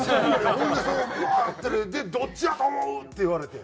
ほんで「どっちやと思う？」って言われて。